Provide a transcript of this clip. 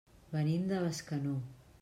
Venim de Bescanó.